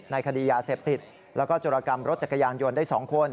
คดียาเสพติดแล้วก็จุรกรรมรถจักรยานยนต์ได้๒คน